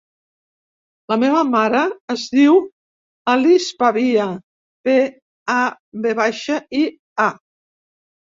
La meva mare es diu Alice Pavia: pe, a, ve baixa, i, a.